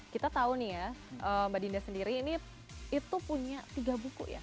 kita tahu nih ya mbak dinda sendiri ini itu punya tiga buku ya